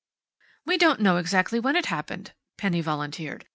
"We don't know exactly when it happened," Penny volunteered.